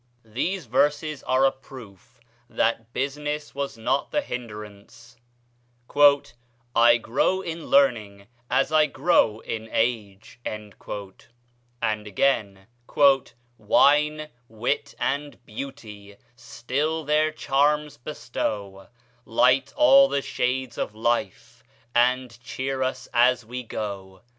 These verses are a proof that business was not the hinderance: "'I grow in learning as I grow in age.' And again: "'Wine, wit, and beauty still their charms bestow, Light all the shades of life, and cheer us as we go.'